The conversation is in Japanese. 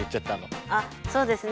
そうですね。